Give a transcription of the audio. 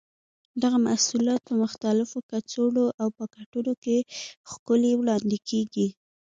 دغه محصولات په مختلفو کڅوړو او پاکټونو کې ښکلي وړاندې کېږي.